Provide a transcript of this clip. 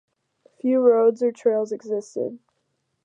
Few roads or trails existed.